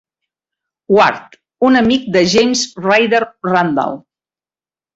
Ward, un amic de James Ryder Randall.